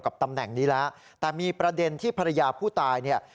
ตำแหน่งนี้แล้วแต่มีประเด็นที่ภรรยาผู้ตายเนี่ย